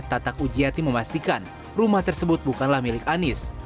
tatak ujiati memastikan rumah tersebut bukanlah milik anies